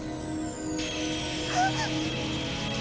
あっ。